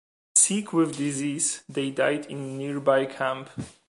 Sick with disease, they died in a nearby camp.